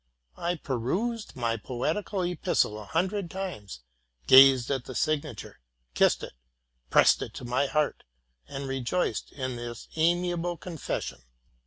I perused my poetical epistle a hundred times, gazed at the signature, kissed it, pressed it to my heart, and rejoiced in this amiable confession.